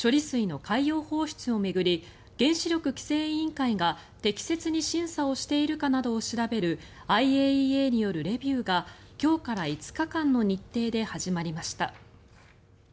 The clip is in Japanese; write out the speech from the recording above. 水の海洋放出を巡り原子力規制委員会が適切に審査をしているかなどを調べるＩＡＥＡによるレビューが今日から５日間の日程で始まりました。